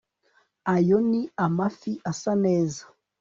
ayo ni amafi asa neza